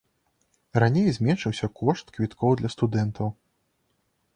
Раней зменшыўся кошт квіткоў для студэнтаў.